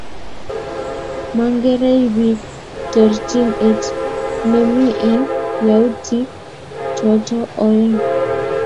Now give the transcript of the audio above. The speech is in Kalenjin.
Mongerei bik terchin et nemi eng yautik choto oeng